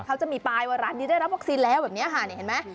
เขาจะมีป้ายว่าร้านนี้ได้รับวัคซีนแล้วแบบนี้ค่ะเห็นไหม